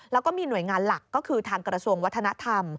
แล้วก็มีหน่วยงานหลักก็คือทางกระทรวงวัฒนธรรม